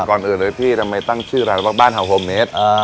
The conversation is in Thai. ก่อนอื่นเลยพี่ทำไมตั้งชื่อร้านว่าบ้านฮาโฮเมส